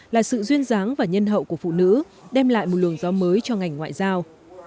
là sự duyên dáng và nhân hậu của phụ nữ đem lại một luồng gió mới cho ngành ngoại giao